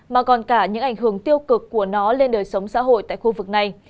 mà còn cả những ảnh hưởng tiêu cực của nó lên đời sống xã hội tại khu vực này